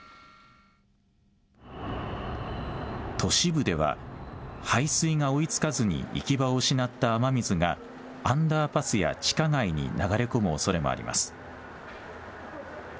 都市部では排水が追いつかずに行き場を失った雨水がアンダーパスや地下街に流れ込むおそれもあります。